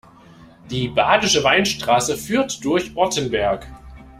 Die Badische Weinstraße führt durch Ortenberg.